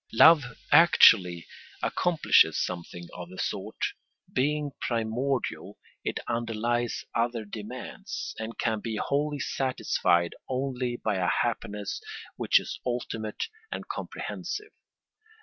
Love actually accomplishes something of the sort; being primordial it underlies other demands, and can be wholly satisfied only by a happiness which is ultimate and comprehensive.